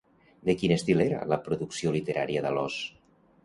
De quin estil era la producció literària d'Alós?